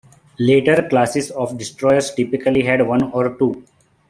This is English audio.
Later classes of destroyers typically had one or two.